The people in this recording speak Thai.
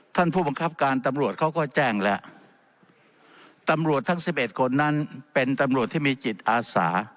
ท่านผู้บังคับการตำรวจเขาก็แจ้งแล้วตำรวจทั้งสิบเอ็ดคนนั้นเป็นตำรวจที่มีจิตอาสา